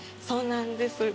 そうなんです。